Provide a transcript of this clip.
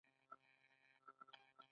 هغه کار چې زه یې ترسره کوم پېچلی کار دی